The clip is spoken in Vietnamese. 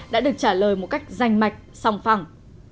đã được trả lời một cách danh mạch song phẳng